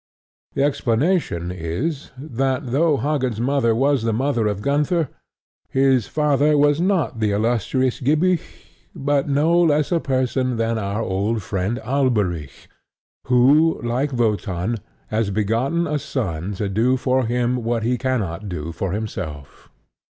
The explanation is that though Hagen's mother was the mother of Gunther, his father was not the illustrious Gibich, but no less a person than our old friend Alberic, who, like Wotan, has begotten a son to do for him what he cannot do for himself.